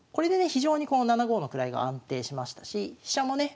非常に７五の位が安定しましたし飛車もね